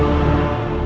ada yang lain